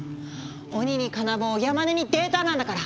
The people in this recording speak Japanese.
鬼に金棒山根にデータなんだから！